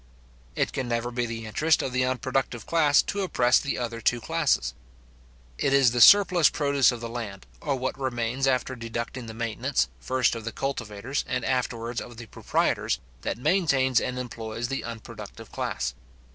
It can never be the interest of the unproductive class to oppress the other two classes. It is the surplus produce of the land, or what remains after deducting the maintenance, first of the cultivators, and afterwards of the proprietors, that maintains and employs the unproductive class.